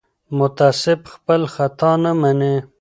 متعصب خپل خطا نه مني